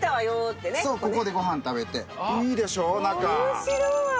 面白い！